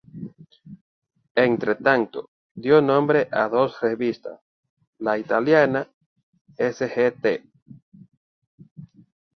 Entretanto, dio nombre a dos revistas: La italiana "Sgt.